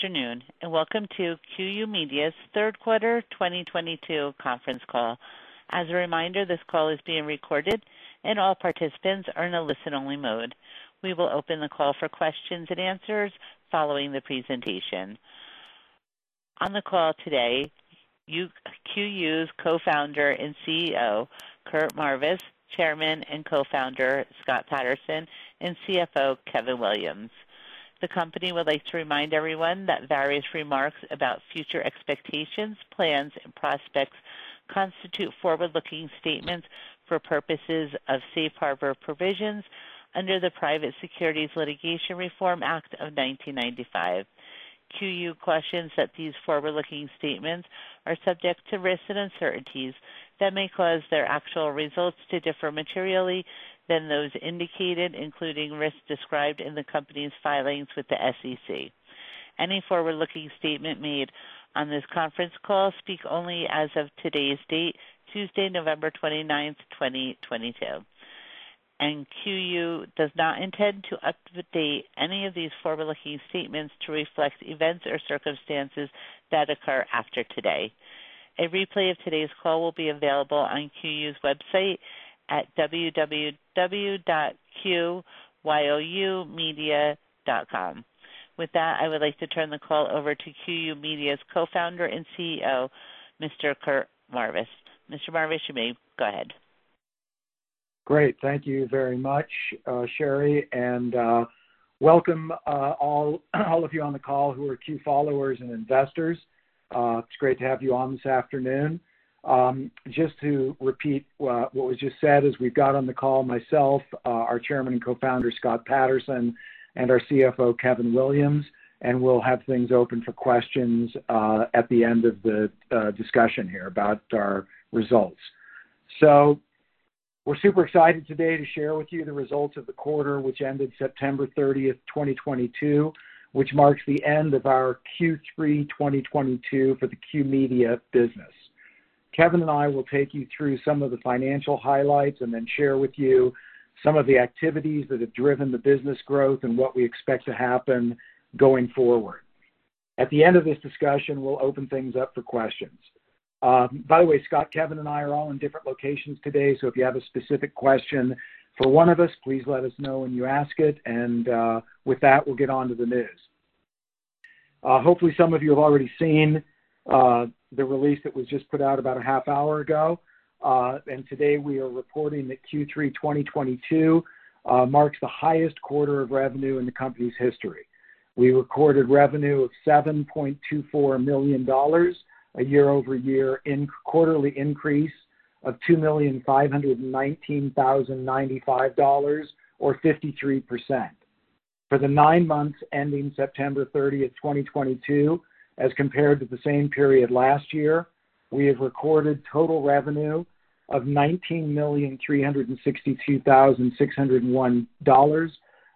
Afternoon, welcome to QYOU Media's third quarter 2022 conference call. As a reminder, this call is being recorded and all participants are in a listen-only mode. We will open the call for questions and answers following the presentation. On the call today, QYOU's Co-founder and CEO, Curt Marvis, Chairman and Co-founder, Scott Paterson and CFO, Kevin Williams. The company would like to remind everyone that various remarks about future expectations, plans and prospects constitute forward-looking statements for purposes of safe harbor provisions under the Private Securities Litigation Reform Act of 1995. QYOU questions that these forward-looking statements are subject to risks and uncertainties that may cause their actual results to differ materially than those indicated, including risks described in the company's filings with the SEC. Any forward-looking statement made on this conference call speak only as of today's date, Tuesday, 29 November 2022. QYOU does not intend to update any of these forward-looking statements to reflect events or circumstances that occur after today. A replay of today's call will be available on QYOU's website at www.QYOUMedia.com. With that, I would like to turn the call over to QYOU Media's Co-Founder and CEO, Mr. Curt Marvis. Mr. Marvis, you may go ahead. Great. Thank you very much, Sherry. Welcome, all of you on the call who are QYOU followers and investors. It's great to have you on this afternoon. Just to repeat what was just said, as we've got on the call myself, our Chairman and Co-Founder, Scott Paterson and our CFO, Kevin Williams and we'll have things open for questions at the end of the discussion here about our results. We're super excited today to share with you the results of the quarter, which ended 30 September 2022, which marks the end of our Q3 2022 for the QYOU Media business. Kevin and I will take you through some of the financial highlights and then share with you some of the activities that have driven the business growth and what we expect to happen going forward. At the end of this discussion, we'll open things up for questions. By the way, Scott, Kevin and I are all in different locations today, so if you have a specific question for one of us, please let us know when you ask it. With that, we'll get on to the news. Hopefully, some of you have already seen the release that was just put out about a half hour ago. Today we are reporting that Q3 2022 marks the highest quarter of revenue in the company's history. We recorded revenue of $7.24 million, a year-over-year in quarterly increase of $2,519,095, or 53%. For the nine months ending September thirtieth, 2022, as compared to the same period last year, we have recorded total revenue of $19,362,601,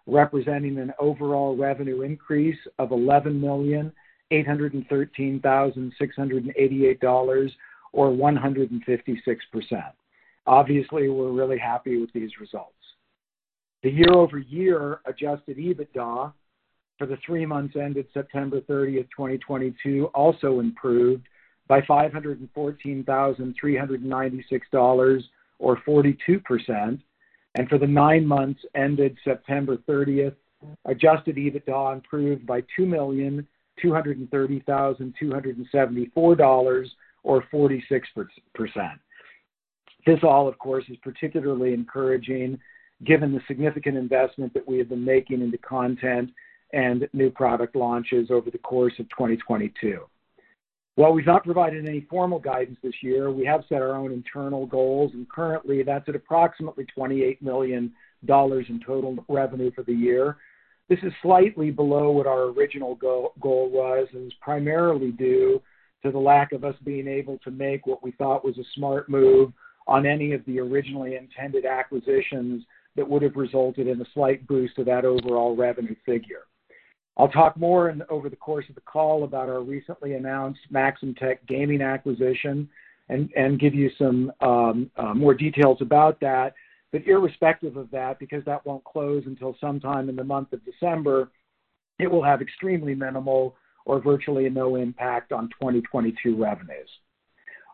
representing an overall revenue increase of $11,813,688 or 156%. Obviously, we're really happy with these results. The year-over-year adjusted EBITDA for the three months ended September thirtieth, 2022, also improved by $514,396, or 42%. For the nine months ended September thirtieth, adjusted EBITDA improved by $2,230,274 or 46%. This all, of course, is particularly encouraging given the significant investment that we have been making into content and new product launches over the course of 2022. While we've not provided any formal guidance this year, we have set our own internal goals and currently that's at approximately 28 million dollars in total revenue for the year. This is slightly below what our original goal was and it's primarily due to the lack of us being able to make what we thought was a smart move on any of the originally intended acquisitions that would have resulted in a slight boost to that overall revenue figure. I'll talk more over the course of the call about our recently announced Maxamtech gaming acquisition and give you some more details about that. Irrespective of that, because that won't close until sometime in the month of December, it will have extremely minimal or virtually no impact on 2022 revenues.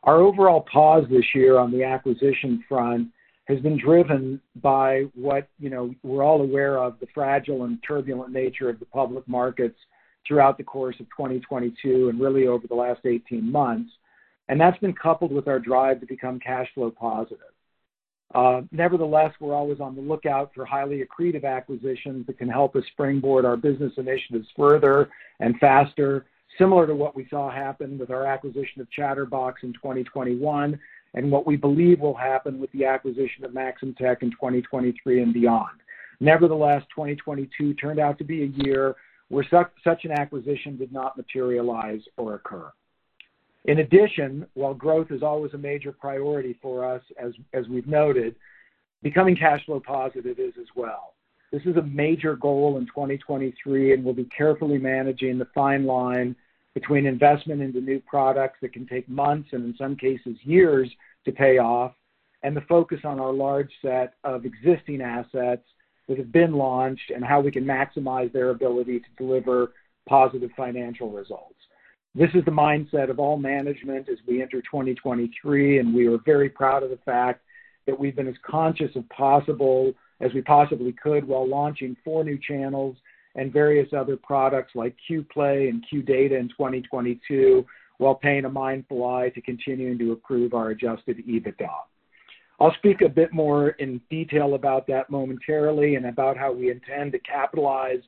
Our overall pause this year on the acquisition front has been driven by what, you know, we're all aware of the fragile and turbulent nature of the public markets throughout the course of 2022 and really over the last 18 months. That's been coupled with our drive to become cash flow positive. Nevertheless, we're always on the lookout for highly accretive acquisitions that can help us springboard our business initiatives further and faster, similar to what we saw happen with our acquisition of Chtrbox in 2021 and what we believe will happen with the acquisition of Maxamtech in 2023 and beyond. Nevertheless, 2022 turned out to be a year where such an acquisition did not materialize or occur. In addition, while growth is always a major priority for us, as we've noted, becoming cash flow positive is as well. This is a major goal in 2023 and we'll be carefully managing the fine line between investment into new products that can take months and in some cases years to pay off. The focus on our large set of existing assets that have been launched and how we can maximize their ability to deliver positive financial results. This is the mindset of all management as we enter 2023 and we are very proud of the fact that we've been as conscious as possible, as we possibly could while launching four new channels and various other products like Q PLAY and Q Data in 2022, while paying a mindful eye to continuing to improve our adjusted EBITDA. I'll speak a bit more in detail about that momentarily and about how we intend to capitalize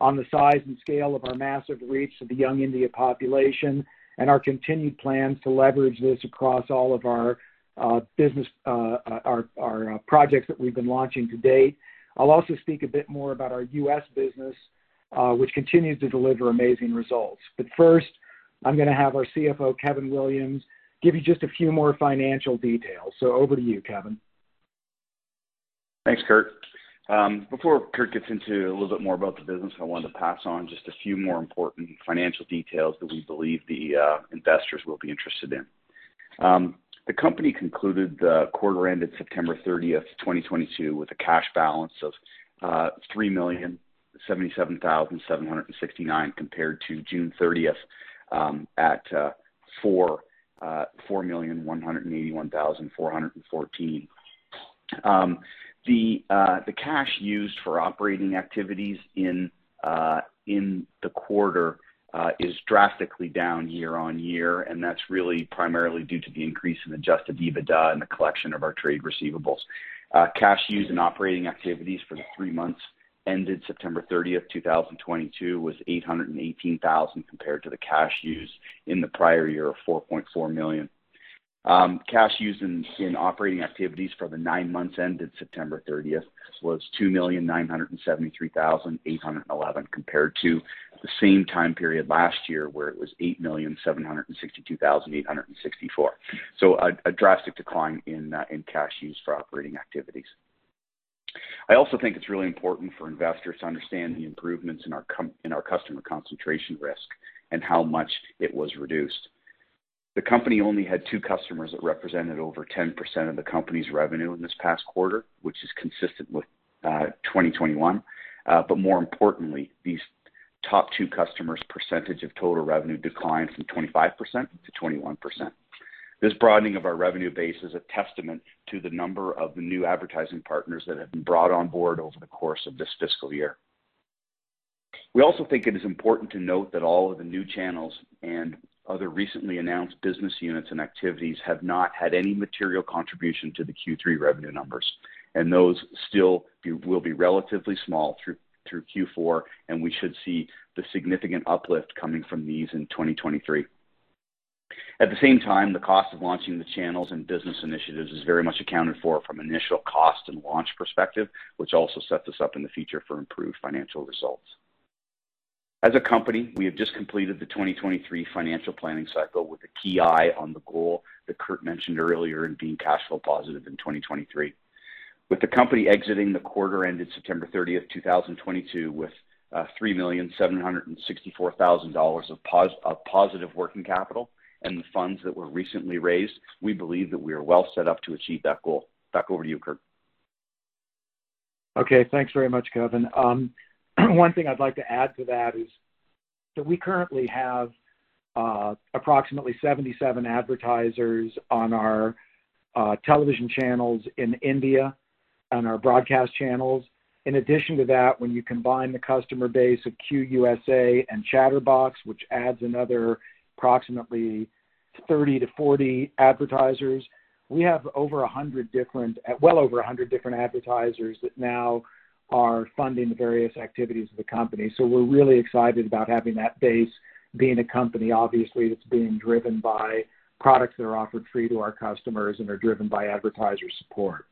on the size and scale of our massive reach to the young India population and our continued plans to leverage this across all of our business projects that we've been launching to date. I'll also speak a bit more about our U.S. business, which continues to deliver amazing results. First, I'm gonna have our CFO, Kevin Williams, give you just a few more financial details. Over to you, Kevin. Thanks, Curt. Before Curt gets into a little bit more about the business, I wanted to pass on just a few more important financial details that we believe the investors will be interested in. The company concluded the quarter ended 30 September 2022, with a cash balance of 3,077,769, compared to 30 June at 4,181,414. The cash used for operating activities in the quarter is drastically down year-over-year. That's really primarily due to the increase in adjusted EBITDA and the collection of our trade receivables. Cash used in operating activities for the three months ended 30 September 2022 was 818,000, compared to the cash used in the prior year of 4.4 million. Cash used in operating activities for the nine months ended 30 September was 2,973,811 compared to the same time period last year, where it was 8,762,864. A drastic decline in cash used for operating activities. I also think it's really important for investors to understand the improvements in our customer concentration risk and how much it was reduced. The company only had two customers that represented over 10% of the company's revenue in this past quarter, which is consistent with 2021. More importantly, these top two customers' percentage of total revenue declined from 25% to 21%. This broadening of our revenue base is a testament to the number of the new advertising partners that have been brought on board over the course of this fiscal year. We also think it is important to note that all of the new channels and other recently announced business units and activities have not had any material contribution to the Q3 revenue numbers. Those will be relatively small through Q4 and we should see the significant uplift coming from these in 2023. At the same time, the cost of launching the channels and business initiatives is very much accounted for from initial cost and launch perspective, which also sets us up in the future for improved financial results. As a company, we have just completed the 2023 financial planning cycle with a key eye on the goal that Curt mentioned earlier in being cash flow positive in 2023. With the company exiting the quarter ended 30 September 2022 with $3,764,000 of positive working capital and the funds that were recently raised, we believe that we are well set up to achieve that goal. Back over to you, Curt. Thanks very much, Kevin. One thing I'd like to add to that is that we currently have approximately 77 advertisers on our television channels in India, on our broadcast channels. In addition to that, when you combine the customer base of QYOU USA and Chtrbox, which adds another approximately 30-40 advertisers, we have well over 100 different advertisers that now are funding the various activities of the company. We're really excited about having that base being a company, obviously, that's being driven by products that are offered free to our customers and are driven by advertiser support.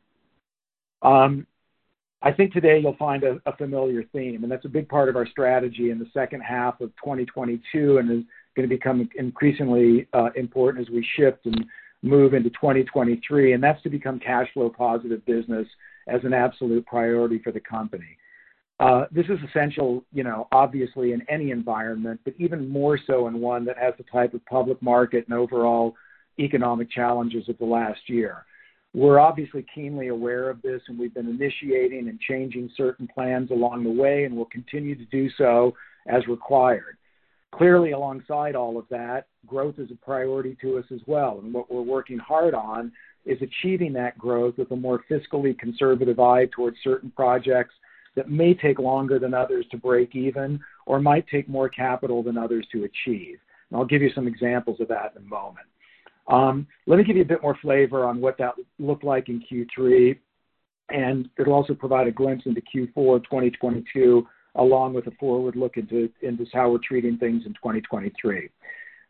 I think today you'll find a familiar theme and that's a big part of our strategy in the second half of 2022 and is gonna become increasingly important as we shift and move into 2023 and that's to become cash flow positive business as an absolute priority for the company. This is essential, you know, obviously in any environment, but even more so in one that has the type of public market and overall economic challenges of the last year. We're obviously keenly aware of this and we've been initiating and changing certain plans along the way and will continue to do so as required. Clearly, alongside all of that, growth is a priority to us as well and what we're working hard on is achieving that growth with a more fiscally conservative eye towards certain projects that may take longer than others to break even or might take more capital than others to achieve. I'll give you some examples of that in a moment. Let me give you a bit more flavor on what that looked like in Q3 and it'll also provide a glimpse into Q4 2022, along with a forward look into how we're treating things in 2023.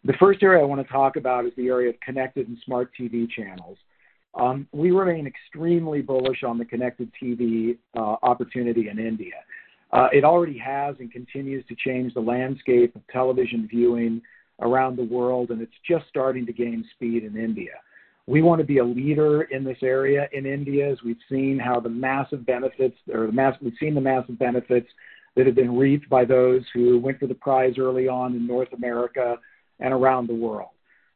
The first area I wanna talk about is the area of Connected and smart TV channels. We remain extremely bullish on the Connected TV opportunity in India. It already has and continues to change the landscape of television viewing around the world. It's just starting to gain speed in India. We wanna be a leader in this area in India, as we've seen the massive benefits that have been reaped by those who went for the prize early on in North America and around the world.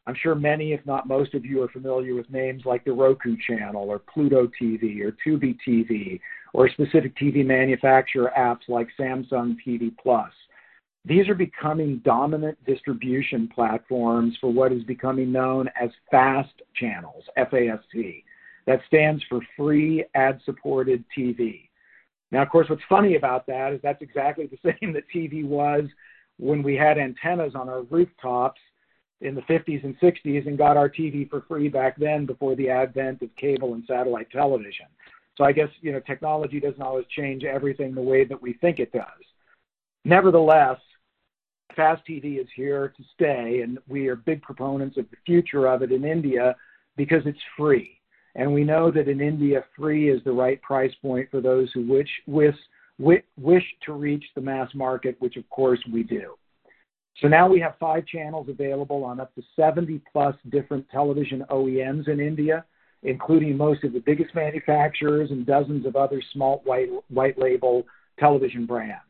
I'm sure many, if not most of you, are familiar with names like The Roku Channel or Pluto TV or Tubi or specific TV manufacturer apps like Samsung TV Plus. These are becoming dominant distribution platforms for what is becoming known as FAST channels, FAST. That stands for Free Ad-Supported TV. Now of course, what's funny about that is that's exactly the same that TV was when we had antennas on our rooftops in the fifties and sixties and got our TV for free back then before the advent of cable and satellite television. I guess, you know, technology doesn't always change everything the way that we think it does. Nevertheless, FAST TV is here to stay and we are big proponents of the future of it in India because it's free. We know that in India, free is the right price point for those who wish to reach the mass market, which of course, we do. Now we have five channels available on up to 70-plus different television OEMs in India, including most of the biggest manufacturers and dozens of other small white label television brands.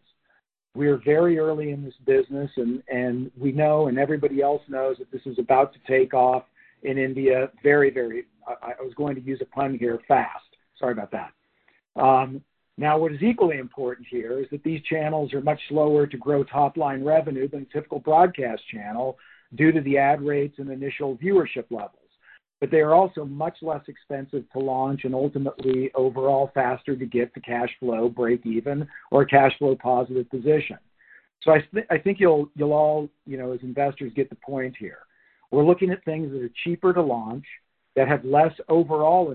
We are very early in this business and we know and everybody else knows that this is about to take off in India very, very. I was going to use a pun here fast. Sorry about that. Now what is equally important here is that these channels are much slower to grow top line revenue than a typical broadcast channel due to the ad rates and initial viewership levels. They are also much less expensive to launch and ultimately overall faster to get to cash flow breakeven or cash flow positive position. I think you'll all, you know, as investors get the point here. We're looking at things that are cheaper to launch, that have less overall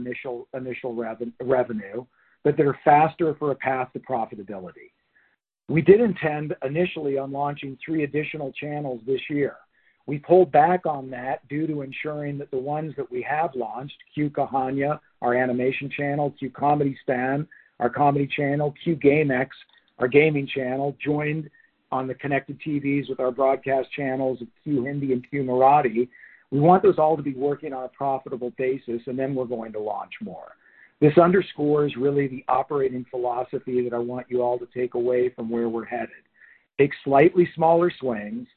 initial revenue, but that are faster for a path to profitability. We did intend initially on launching three additional channels this year. We pulled back on that due to ensuring that the ones that we have launched, Q Kahaniyan, our animation channel, Q Comedistaan, our comedy channel, Q GameX, our gaming channel, joined on the Connected TVs with our broadcast channels of Q Hindi and Q Marathi. We want those all to be working on a profitable basis and then we're going to launch more. This underscores really the operating philosophy that I want you all to take away from where we're headed. Take slightly smaller swings.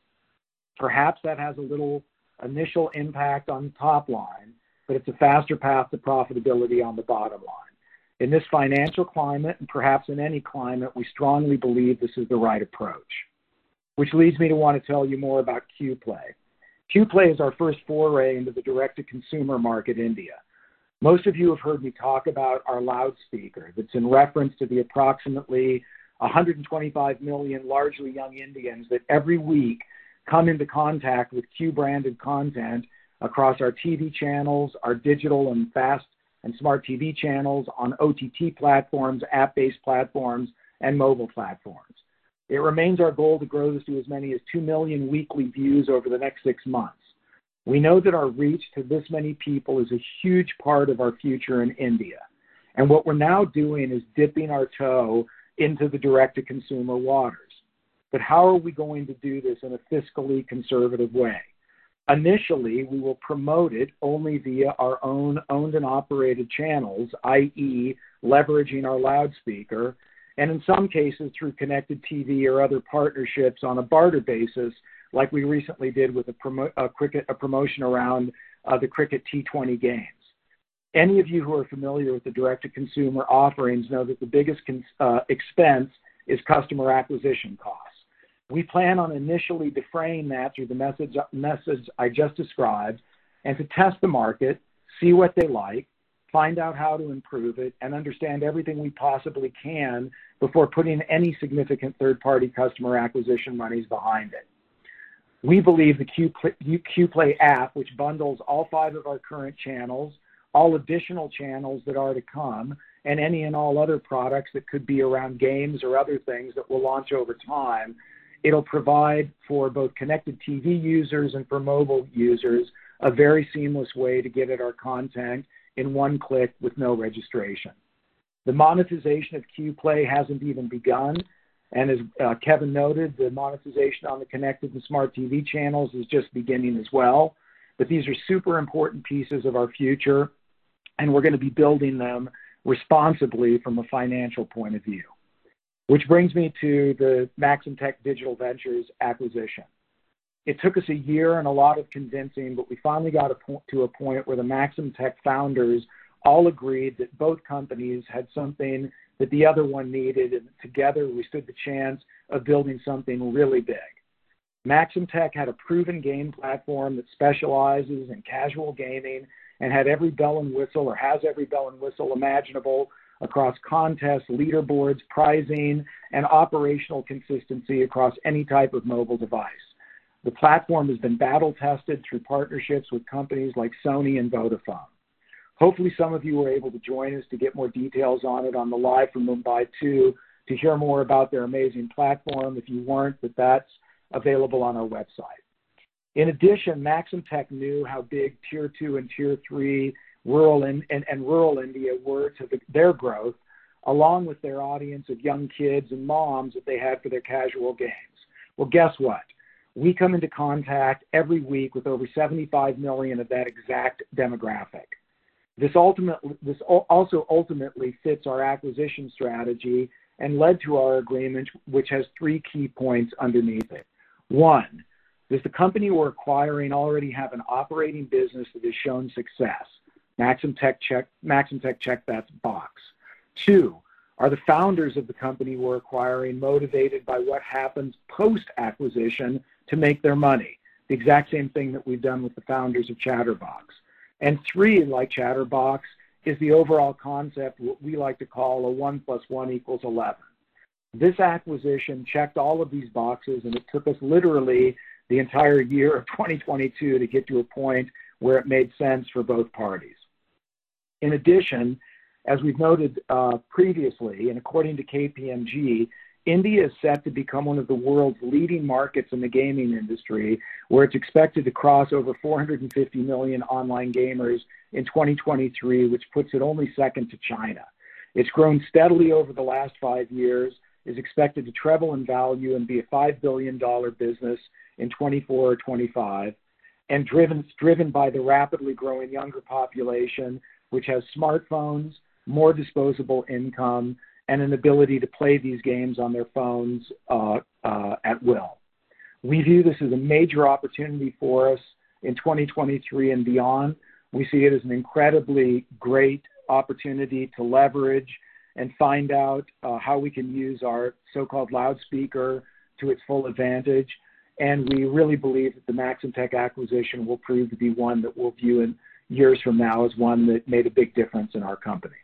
Perhaps that has a little initial impact on top line, but it's a faster path to profitability on the bottom line. In this financial climate and perhaps in any climate, we strongly believe this is the right approach. Which leads me to want to tell you more about Q PLAY. Q PLAY is our first foray into the direct-to-consumer market India. Most of you have heard me talk about our loudspeaker that's in reference to the approximately 125 million, largely young Indians that every week come into contact with Q-branded content across our TV channels, our digital and FAST and smart TV channels on OTT platforms, app-based platforms and mobile platforms. It remains our goal to grow this to as many as 2 million weekly views over the next six months. We know that our reach to this many people is a huge part of our future in India and what we're now doing is dipping our toe into the direct-to-consumer waters. How are we going to do this in a fiscally conservative way? Initially, we will promote it only via our own owned and operated channels, i.e., leveraging our loudspeaker and in some cases, through Connected TV or other partnerships on a barter basis like we recently did with a promotion around the Cricket T20 games. Any of you who are familiar with the direct-to-consumer offerings know that the biggest expense is customer acquisition costs. We plan on initially defraying that through the message I just described and to test the market, see what they like, find out how to improve it and understand everything we possibly can before putting any significant third-party customer acquisition monies behind it. We believe the Q PLAY app, which bundles all five of our current channels, all additional channels that are to come and any and all other products that could be around games or other things that we'll launch over time, it'll provide for both Connected TV users and for mobile users a very seamless way to get at our content in 1 click with no registration. The monetization of Q PLAY hasn't even begun and as Kevin noted, the monetization on the Connected and smart TV channels is just beginning as well. These are super important pieces of our future and we're gonna be building them responsibly from a financial point of view. Which brings me to the Maxamtech Digital Ventures acquisition. It took us a year and a lot of convincing, but we finally got to a point where the Maxamtech founders all agreed that both companies had something that the other one needed and together we stood the chance of building something really big. Maxamtech had a proven game platform that specializes in casual gaming and had every bell and whistle, or has every bell and whistle imaginable across contests, leaderboards, prizing and operational consistency across any type of mobile device. The platform has been battle-tested through partnerships with companies like Sony and Vodafone. Hopefully, some of you were able to join us to get more details on it on the Live From Mumbai 2 to hear more about their amazing platform. If you weren't, That's available on our website. In addition, Maxamtech knew how big tier two and tier three rural India were to their growth, along with their audience of young kids and moms that they had for their casual games. Well, guess what? We come into contact every week with over 75 million of that exact demographic. This also ultimately fits our acquisition strategy and led to our agreement, which has three key points underneath it. One, does the company we're acquiring already have an operating business that has shown success? Maxamtech checked that box. Two, are the founders of the company we're acquiring motivated by what happens post-acquisition to make their money? The exact same thing that we've done with the founders of Chtrbox. Three, like Chtrbox, is the overall concept what we like to call a 1 plus 1 equals 11. This acquisition checked all of these boxes and it took us literally the entire year of 2022 to get to a point where it made sense for both parties. In addition, as we've noted previously and according to KPMG, India is set to become one of the world's leading markets in the gaming industry, where it's expected to cross over 450 million online gamers in 2023, which puts it only second to China. It's grown steadily over the last five years, is expected to treble in value and be an INR 5 billion business in 2024 or 2025, driven by the rapidly growing younger population, which has smartphones, more disposable income and an ability to play these games on their phones at will. We view this as a major opportunity for us in 2023 and beyond. We see it as an incredibly great opportunity to leverage and find out how we can use our so-called loudspeaker to its full advantage. We really believe that the Maxamtech acquisition will prove to be one that we'll view in years from now as one that made a big difference in our company.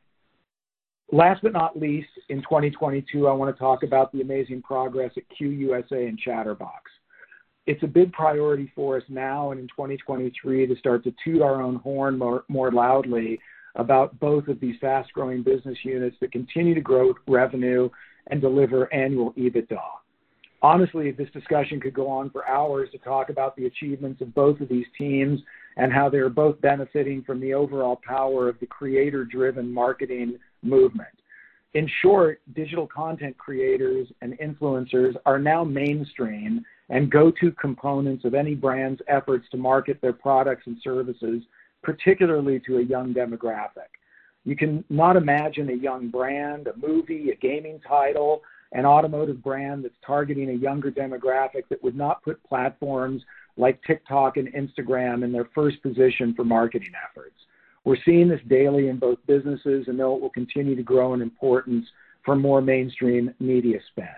Last but not least, in 2022, I wanna talk about the amazing progress at QYOU USA and Chtrbox. It's a big priority for us now and in 2023 to start to toot our own horn more loudly about both of these fast-growing business units that continue to grow revenue and deliver annual EBITDA. Honestly, this discussion could go on for hours to talk about the achievements of both of these teams and how they are both benefiting from the overall power of the creator-driven marketing movement. In short, digital content creators and influencers are now mainstream and go-to components of any brand's efforts to market their products and services, particularly to a young demographic. You cannot imagine a young brand, a movie, a gaming title, an automotive brand that's targeting a younger demographic that would not put platforms like TikTok and Instagram in their first position for marketing efforts. We're seeing this daily in both businesses and know it will continue to grow in importance for more mainstream media spend.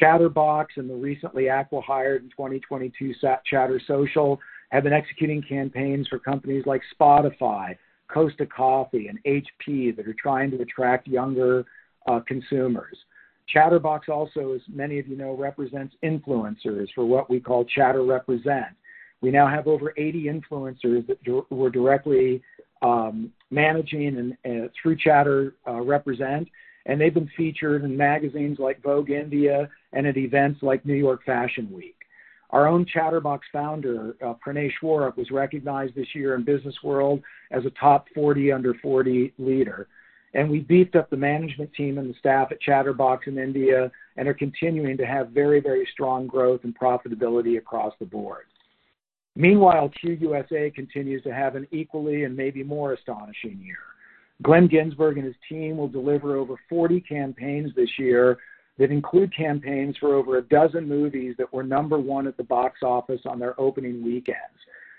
Chtrbox and the recently acqui-hired in 2022, ChtrSocial, have been executing campaigns for companies like Spotify, Costa Coffee and HP that are trying to attract younger consumers. Chtrbox also, as many of you know, represents influencers for what we call Chatter Represent. We now have over 80 influencers that we're directly managing and through Chatter Represent and they've been featured in magazines like Vogue India and at events like New York Fashion Week. Our own Chtrbox founder, Pranay Swarup, was recognized this year in BusinessWorld as a top 40 under 40 leader. We beefed up the management team and the staff at Chtrbox in India and are continuing to have very strong growth and profitability across the board. Meanwhile, QYOU USA continues to have an equally and maybe more astonishing year. Glenn Ginsburg and his team will deliver over 40 campaigns this year that include campaigns for over 12 movies that were number one at the box office on their opening weekends.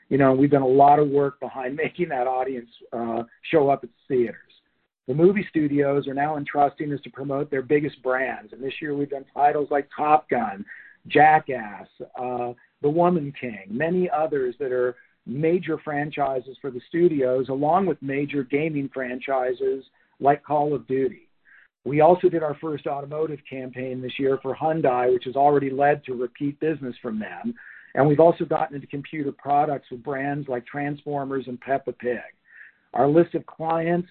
You know, we've done a lot of work behind making that audience show up at theaters. The movie studios are now entrusting us to promote their biggest brands and this year we've done titles like Top Gun, Jackass, The Woman King, many others that are major franchises for the studios, along with major gaming franchises like Call of Duty. We also did our first automotive campaign this year for Hyundai, which has already led to repeat business from them. We've also gotten into computer products with brands like Transformers and Peppa Pig. Our list of clients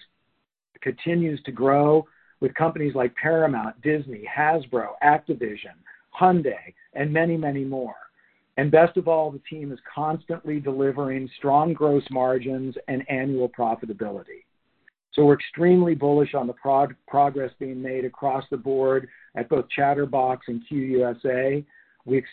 continues to grow with companies like Paramount, Disney, Hasbro, Activision, Hyundai and many, many more. Best of all, the team is constantly delivering strong gross margins and annual profitability. We're extremely bullish on the progress being made across the board at both Chtrbox and QYOU USA.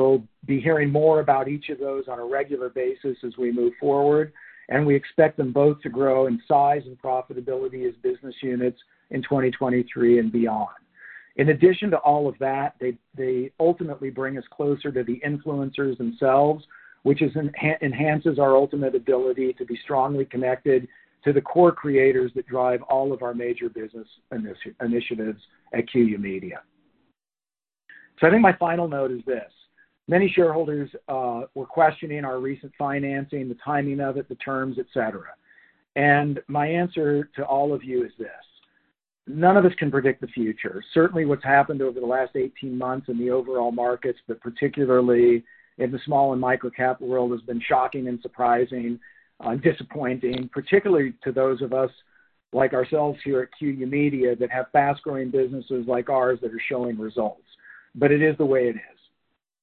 You'll be hearing more about each of those on a regular basis as we move forward and we expect them both to grow in size and profitability as business units in 2023 and beyond. In addition to all of that, they ultimately bring us closer to the influencers themselves, which enhances our ultimate ability to be strongly connected to the core creators that drive all of our major business initiatives at QYOU Media. I think my final note is this: Many shareholders were questioning our recent financing, the timing of it, the terms, et cetera. My answer to all of you is this: None of us can predict the future. Certainly, what's happened over the last 18 months in the overall markets, but particularly in the small and micro cap world, has been shocking and surprising, disappointing, particularly to those of us like ourselves here at QYOU Media that have fast-growing businesses like ours that are showing results. It is the way it is.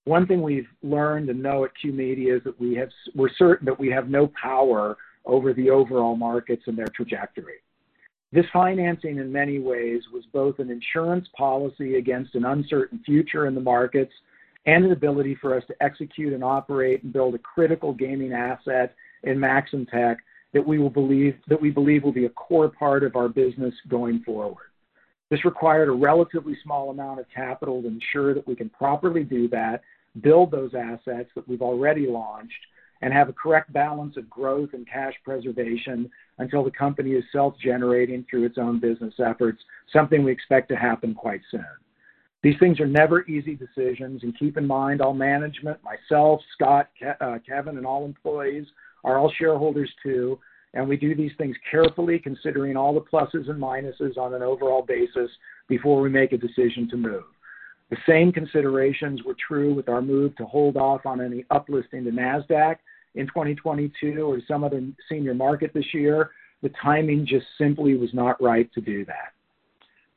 One thing we've learned and know at QYOU Media is that we're certain that we have no power over the overall markets and their trajectory. This financing, in many ways, was both an insurance policy against an uncertain future in the markets and an ability for us to execute and operate and build a critical gaming asset in Maxamtech that we believe will be a core part of our business going forward. This required a relatively small amount of capital to ensure that we can properly do that, build those assets that we've already launched and have a correct balance of growth and cash preservation until the company is self-generating through its own business efforts, something we expect to happen quite soon. These things are never easy decisions. Keep in mind, all management, myself, Scott, Kevin and all employees are all shareholders too and we do these things carefully, considering all the pluses and minuses on an overall basis before we make a decision to move. The same considerations were true with our move to hold off on any uplisting to Nasdaq in 2022 or some other senior market this year. The timing just simply was not right to do that.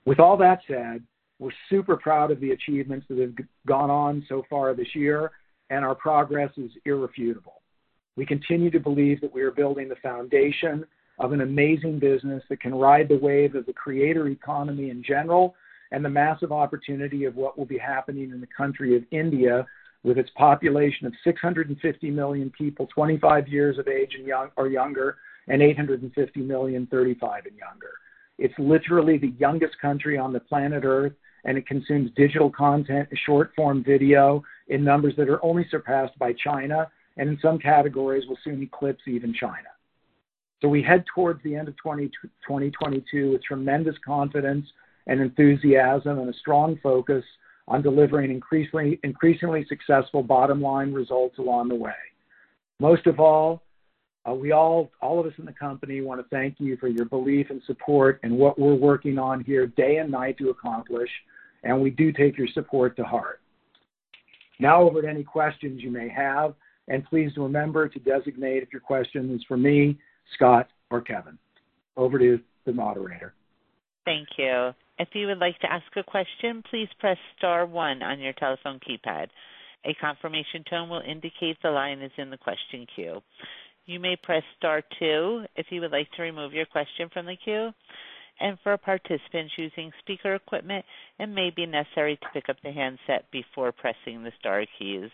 With all that said, we're super proud of the achievements that have gone on so far this year. Our progress is irrefutable. We continue to believe that we are building the foundation of an amazing business that can ride the wave of the creator economy in general and the massive opportunity of what will be happening in the country of India, with its population of 650 million people 25 years of age or younger and 850 million 35 and younger. It's literally the youngest country on the planet Earth and it consumes digital content and short-form video in numbers that are only surpassed by China and in some categories will soon eclipse even China. We head towards the end of 2022 with tremendous confidence and enthusiasm and a strong focus on delivering increasingly successful bottom-line results along the way. Most of all of us in the company wanna thank you for your belief and support in what we're working on here day and night to accomplish and we do take your support to heart. Over to any questions you may have and please remember to designate if your question is for me, Scott or Kevin. Over to the moderator. Thank you. If you would like to ask a question, please press star one on your telephone keypad. A confirmation tone will indicate the line is in the question queue. You may press star two if you would like to remove your question from the queue. For participants using speaker equipment, it may be necessary to pick up the handset before pressing the star keys.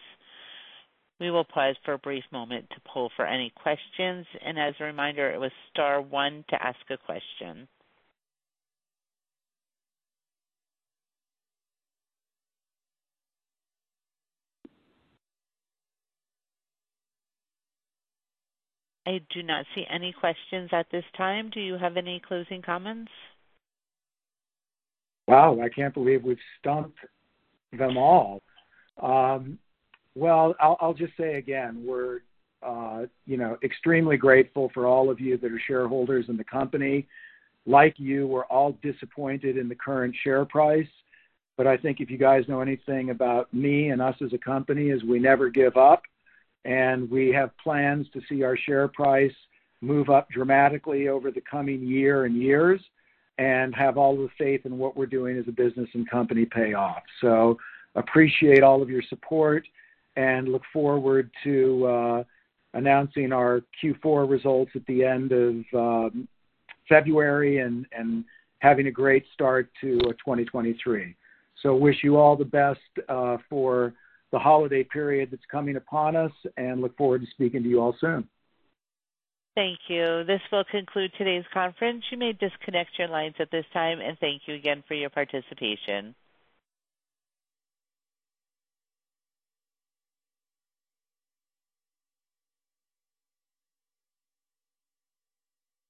We will pause for a brief moment to pull for any questions. As a reminder, it was star one to ask a question. I do not see any questions at this time. Do you have any closing comments? Wow, I can't believe we've stumped them all. I'll just say again, we're, you know, extremely grateful for all of you that are shareholders in the company. Like you, we're all disappointed in the current share price, but I think if you guys know anything about me and us as a company is we never give up and we have plans to see our share price move up dramatically over the coming year and years and have all the faith in what we're doing as a business and company pay off. Appreciate all of your support and look forward to announcing our Q4 results at the end of February and having a great start to 2023. Wish you all the best for the holiday period that's coming upon us and look forward to speaking to you all soon. Thank you. This will conclude today's conference. You may disconnect your lines at this time and thank you again for your participation.